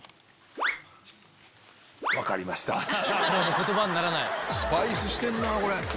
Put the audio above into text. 言葉にならない。